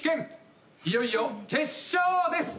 いよいよ決勝です！